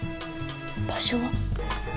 場所は？